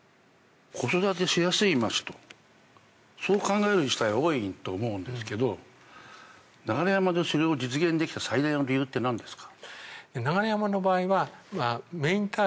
子育てしやすい町とそう考える自治体は多いと思うんですけど流山でそれを実現できた最大の理由ってなんですか？